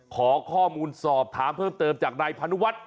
ขอข้อมูลสอบถามเพิ่มเติมจากนายพานุวัฒน์